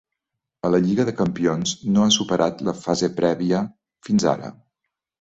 A la Lliga de Campions no ha superat la fase prèvia fins ara.